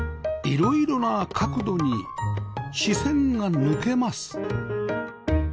色々な角度に視線が抜けます